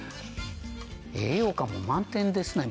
栄養価も満点ですね